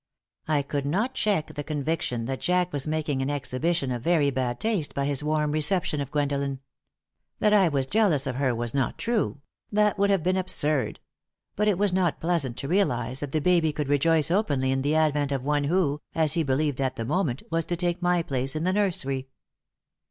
I could not check the conviction that Jack was making an exhibition of very bad taste by his warm reception of Gwendolen. That I was jealous of her was not true that would have been absurd but it was not pleasant to realize that the baby could rejoice openly in the advent of one who, as he believed at the moment, was to take my place in the nursery.